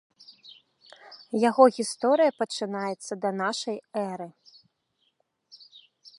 Яго гісторыя пачынаецца да нашай эры.